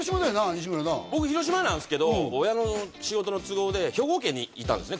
西村な僕広島なんですけど親の仕事の都合で兵庫県にいたんですね